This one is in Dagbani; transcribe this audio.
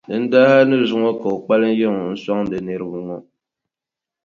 Dindali hali ni zuŋɔ ka o kpalim yiŋa n-sɔŋdi niriba ŋɔ.